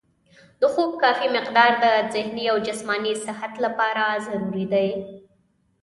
د خوب کافي مقدار د ذهني او جسماني صحت لپاره ضروري دی.